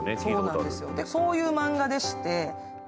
そういうマンガでして。